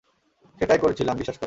সেটাই করছিলাম, বিশ্বাস করো!